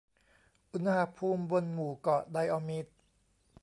อุณหภูมิบนหมู่เกาะไดออมีด